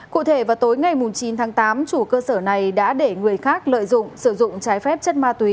cụ thể vào tối ngày chín tháng tám chủ cơ sở này đã để người khác lợi dụng sử dụng trái phép chất ma túy